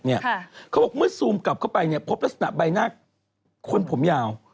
เขาบอกเมื่อซูมกลับเข้าไปเนี่ยพบลักษณะใบหน้าคนผมยาว